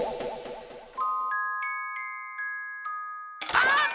あっ！